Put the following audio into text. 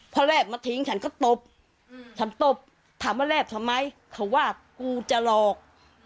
พอแลบมาทิ้งฉันก็ตบฉันตบถามว่าแลบทำไมเขาว่ากูจะหลอก